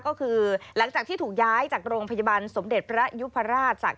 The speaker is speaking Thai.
ก็คือหลังจากที่ถูกย้ายจากโรงพยาบาลสมเด็จพระยุพราชจาก